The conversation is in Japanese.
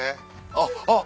あっあっ！